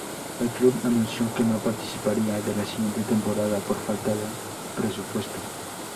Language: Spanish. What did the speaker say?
El club anunció que no participaría de la siguiente temporada por falta de presupuesto.